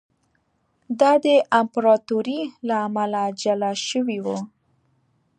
دا د امپراتورۍ له امله له جلا شوی و